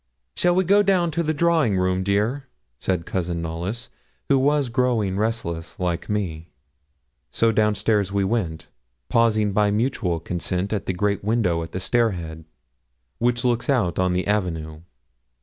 'Shall we go down to the drawing room, dear?' said Cousin Knollys, who was growing restless like me. So down stairs we went, pausing by mutual consent at the great window at the stair head, which looks out on the avenue.